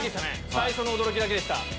最初の驚きだけでした。